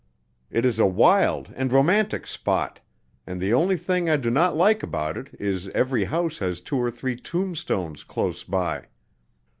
It is a wild and romantic spot, and the only thing I do not like about it is every house has two or three tombstones close by."